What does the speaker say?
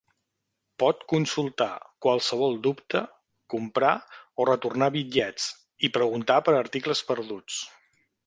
Pot consultar qualsevol dubte, comprar o retornar bitllets, i preguntar per articles perduts.